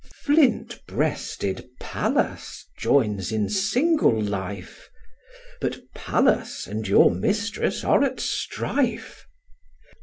Flint breasted Pallas joys in single life; But Pallas and your mistress are at strife.